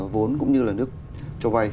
vốn cũng như là nước cho vay